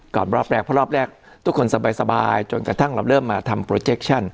ก่อนรอบแรกเพราะรอบแรกทุกคนสบายสบายจนกระทั่งเราเริ่มมาทำ